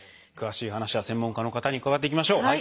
詳しい話は専門家の方に伺っていきましょう。